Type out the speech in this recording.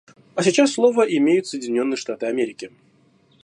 А сейчас слово имеют Соединенные Штаты Америки.